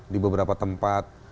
di beberapa tempat